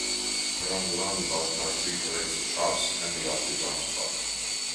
Around the roundabout are three parades of shops and the Osidge Arms pub.